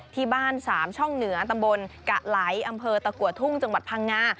ที่บ้านสามช่องเหนือตำบลกะไหลอำเภอตะกัวทุ่งจังหวัดพังงา